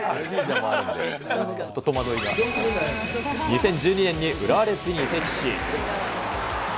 ２０１２年に浦和レッズに移籍し。